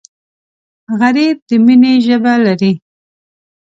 غریب د مینې ژبه لري